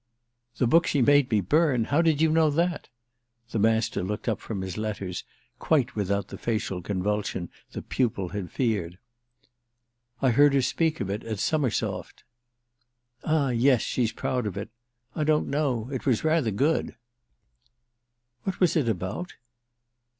"The book she made me burn—how did you know that?" The Master looked up from his letters quite without the facial convulsion the pupil had feared. "I heard her speak of it at Summersoft." "Ah yes—she's proud of it. I don't know—it was rather good." "What was it about?"